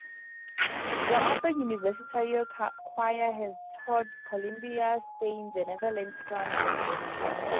The Orfeon Universitario Choir has toured Colombia, Spain, the Netherlands, France, and Germany.